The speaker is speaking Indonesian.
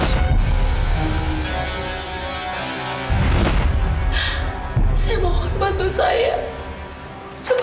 kita harus segera melakukan sesuatu